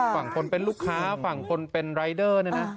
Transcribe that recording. ฝั่งคนเป็นลูกค้าฝั่งคนเป็นรายเดอร์เนี่ยนะ